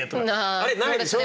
あれないでしょ。